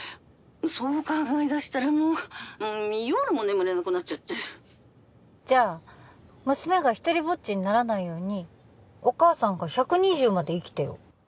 そう考えだしたらもう☎夜も眠れなくなっちゃってじゃあ娘が独りぼっちにならないようにお母さんが１２０まで生きてよ